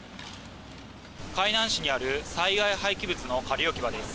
海南市にある災害廃棄物の仮置き場です。